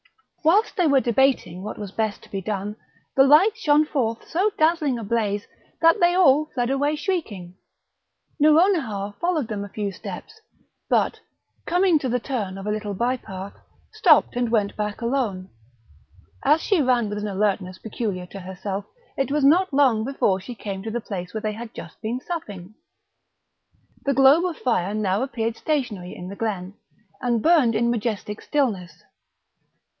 Whilst they were debating what was best to be done, the light shot forth so dazzling a blaze, that they all fled away shrieking; Nouronihar followed them a few steps, but, coming to the turn of a little bye path, stopped, and went back alone; as she ran with an alertness peculiar to herself, it was not long before she came to the place where they had just been supping. The globe of fire now appeared stationary in the glen, and burned in majestic stillness.